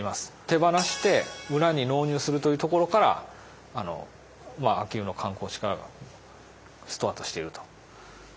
手放して村に納入するというところから秋保の観光地化がスタートしていると。